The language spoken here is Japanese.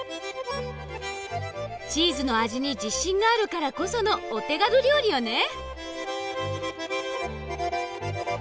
チーズの味に自信があるからこそのお手軽料理よね！